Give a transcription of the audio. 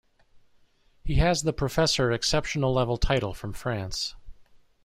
He has the Professor exceptional level title from France.